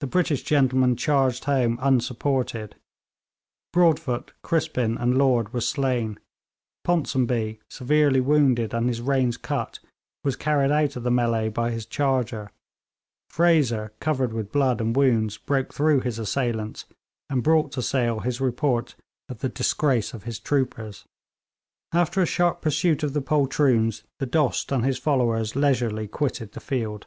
The British gentlemen charged home unsupported. Broadfoot, Crispin and Lord were slain; Ponsonby, severely wounded and his reins cut, was carried out of the mêlée by his charger; Fraser, covered with blood and wounds, broke through his assailants, and brought to Sale his report of the disgrace of his troopers. After a sharp pursuit of the poltroons, the Dost and his followers leisurely quitted the field.